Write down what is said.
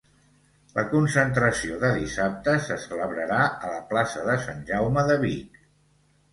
La concentració de dissabte se celebrarà a la plaça de Sant Jaume de Vic